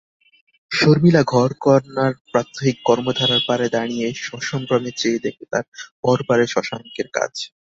শর্মিলা ঘরকন্নার প্রাত্যহিক কর্মধারার পারে দাঁড়িয়ে সসম্ভ্রমে চেয়ে দেখে তার পরপারে শশাঙ্কের কাজ।